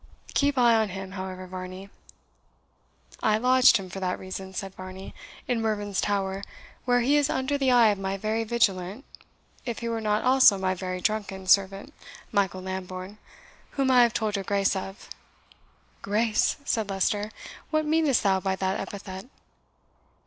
Keep eye on him, however, Varney." "I lodged him for that reason," said Varney, "in Mervyn's Tower, where he is under the eye of my very vigilant, if he were not also my very drunken, servant, Michael Lambourne, whom I have told your Grace of." "Grace!" said Leicester; "what meanest thou by that epithet?"